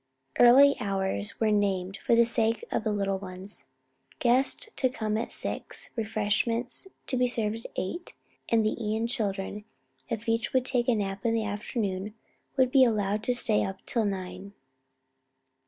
Early hours were named for the sake of the little ones; guests to come at six, refreshments to be served at eight, and the Ion children, if each would take a nap in the afternoon, to be allowed to stay up till nine.